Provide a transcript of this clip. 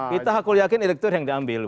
kita aku yakin direktur yang diambil